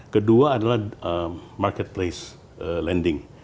kedua adalah marketplace lending